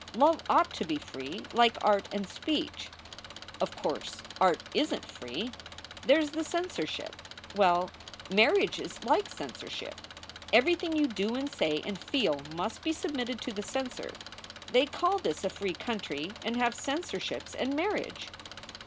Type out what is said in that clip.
Love ought to be free like art and speech. Of course art isn t free. There s the censorship. Well, marriage is like censorship. Everything you do and say and feel must be submitted to the censor. They call this a free country and have censor ships and marriage!"